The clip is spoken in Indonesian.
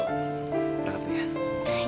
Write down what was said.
berangkat dulu ya